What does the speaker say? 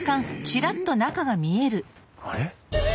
あれ？